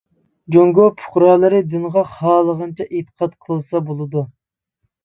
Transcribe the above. جۇڭگو پۇقرالىرى دىنغا خالىغانچە ئېتىقاد قىلسا بولىدۇ.